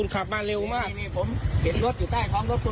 ตกใจกว่าเลยคิดว่าเสียงอะไร